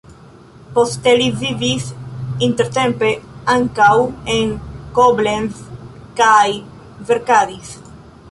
Poste li vivis intertempe ankaŭ en Koblenz kaj verkadis.